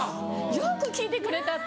「よく聞いてくれた」って。